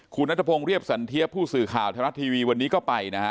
คุณนัทพงศ์เรียบสันเทียบผู้สื่อข่าวไทยรัฐทีวีวันนี้ก็ไปนะฮะ